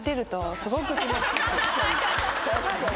確かに。